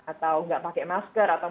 atau nggak pakai masker atau